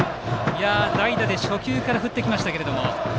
代打で初球から振ってきました。